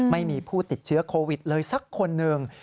ไม่มีผู้ติดเชื้อโควิดเลยสักคนหนึ่ง